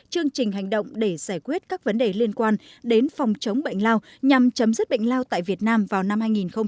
chương trình hành động để giải quyết các vấn đề liên quan đến phòng chống bệnh lao nhằm chấm dứt bệnh lao tại việt nam vào năm hai nghìn ba mươi